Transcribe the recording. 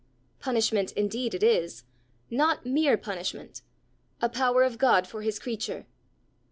Punishment indeed it is not mere punishment; a power of God for his creature.